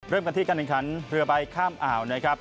เริ่มกันที่การแข่งขันเรือใบข้ามอ่าวนะครับ